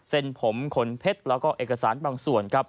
เซ็นผมขนเพ็ตและไออกสารบางส่วน